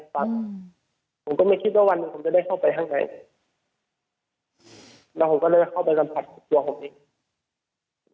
ครับผมก็ไม่คิดว่าวันหนึ่งผมจะได้เข้าไปข้างในแล้วผมก็เลยเข้าไปสัมผัสตัวผมเอง